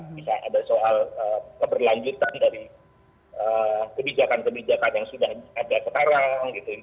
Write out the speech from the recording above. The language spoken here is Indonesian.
bisa ada soal keberlanjutan dari kebijakan kebijakan yang sudah ada sekarang gitu